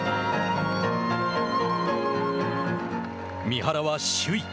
三原は首位。